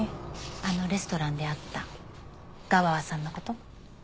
あのレストランで会ったガワワさんの事？